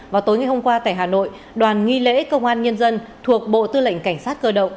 vào tối ngày hôm qua tại hà nội đoàn nghi lễ công an nhân dân thuộc bộ tư lệnh cảnh sát cơ động